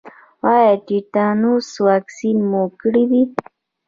ایا د تیتانوس واکسین مو کړی دی؟